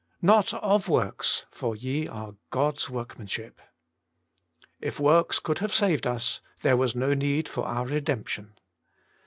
' Not of works, for ye are God's work manship.' If works could have saved us, there was no need for our redemption.